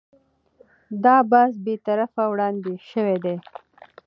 دا بحث بې طرفه وړاندې شوی دی.